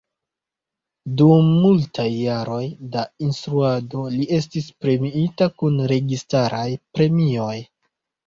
Dum multaj jaroj da instruado li estis premiita kun registaraj premioj.